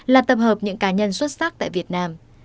là tập hợp những cá nhân xuất sắc tại việt nam